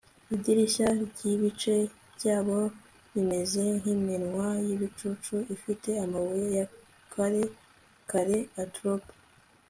Idirishya ryibice byabo bimeze nkiminwa yibicucu ifite amabuye ya kare kare adrop